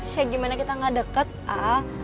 ya gimana kita ga deket al